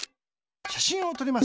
しゃしんをとります。